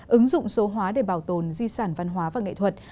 ứng dụng số hóa để bảo tồn di sản văn hóa và nghệ thuật